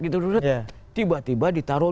gitu tiba tiba ditaruh